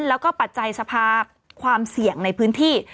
แล้วก็ปัจจัยสภาพความเสี่ยงในพื้นที่